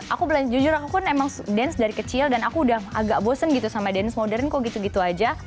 aku jujur aku kan emang dance dari kecil dan aku udah agak bosen gitu sama dance modern kok gitu gitu aja